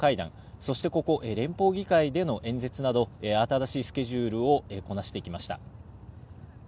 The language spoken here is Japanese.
そして、ここ連邦議会での演説など、慌ただしいスケジュールをこなしていきました。